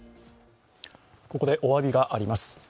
ここでおわびがあります。